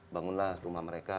bangunlah rumah mereka